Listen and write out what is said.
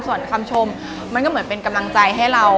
ส่วนคำชมมันก็เหมือนเป็นกำลังใจให้เรา